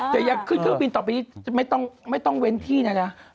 แต่อยากขึ้นเครื่องบินต่อไปนี้ไม่ต้องเว้นที่นะนะ